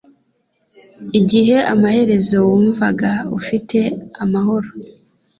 igihe amaherezo wumvaga ufite amahoro